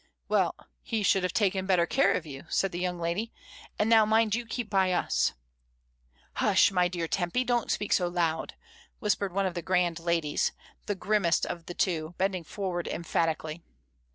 "Well, he should have taken better care of you," said the young lady; "and now mind you keep by us." "Hush, my dear Tempy, don't speak so loud," IN A GIG. 35 whispered one of the grand ladies, the grimmest of the two, bending forward emphatically.